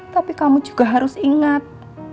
tapi kamu juga harus ingat